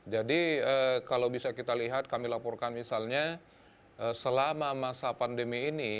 jadi kalau bisa kita lihat kami laporkan misalnya selama masa pandemi ini